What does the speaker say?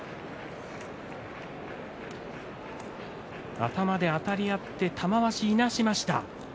頭であたり合って玉鷲いなしました。